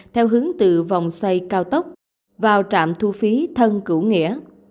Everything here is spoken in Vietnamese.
theo hướng từ vòng xây cao tốc vào trạm thu phí thân cửu nghĩa